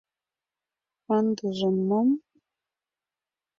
Ындыжым мом...